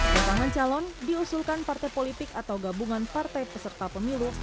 pasangan calon diusulkan partai politik atau gabungan partai peserta pemilu